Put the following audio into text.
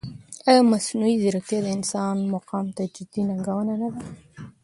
ایا مصنوعي ځیرکتیا د انسان مقام ته جدي ننګونه نه ده؟